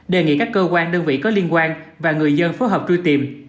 đề nghị các cơ quan đơn vị có liên quan và người dân phối hợp truy tìm